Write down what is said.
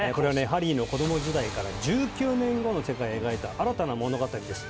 ハリーの子ども時代から１９年後の世界を描いた新たな物語です